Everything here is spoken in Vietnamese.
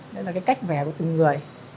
đấy là cái cách vẽ của từng người